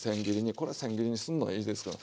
これせん切りにすんのはいいですから。